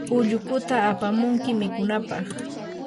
ullukuta apamunki mikunapaq.